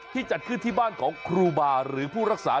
จัดขึ้นที่บ้านของครูบาหรือผู้รักษา